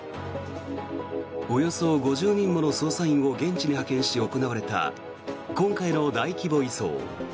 およそ５０人もの捜査員を現地に派遣し行われた今回の大規模移送。